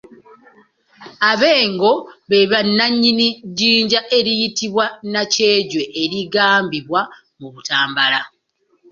Abengo be bannannyini jjinja eriyitibwa nakyejwe erigambibwa mu Butambula.